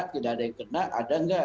tidak ada yang kena ada nggak